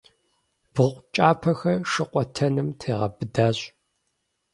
Бгыкъу кӀапэхэр шыкъуэтэным тегъэбыдащ.